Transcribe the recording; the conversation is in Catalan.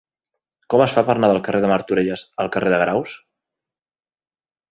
Com es fa per anar del carrer de Martorelles al carrer de Graus?